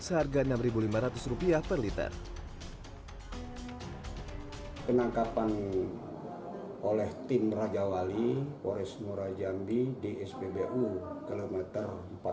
seharga enam ribu lima ratus rupiah per liter penangkapan oleh tim raja wali pores muarojambi di spbu kilometer